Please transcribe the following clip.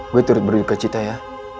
gue turut berduka cita ya